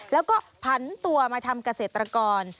แล้วก็ผันตัวมาทำเกษตรกร